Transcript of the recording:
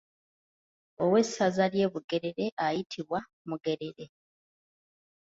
Owessaza ly’e Bugerere ayitibwa Mugerere.